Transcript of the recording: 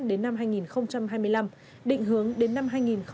đến năm hai nghìn hai mươi năm định hướng đến năm hai nghìn ba mươi